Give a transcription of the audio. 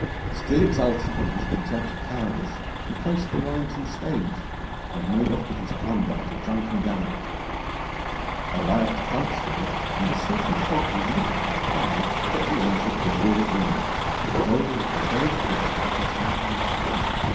Still exultant in his contempt of cowardice, he faced the Warrington stage, and made off with his plunder at a drunken gallop. Arrived at Dunstable, he was so befogged with liquor and pride, that he entered the 'Bull Inn,' the goal of the very coach he had just encountered.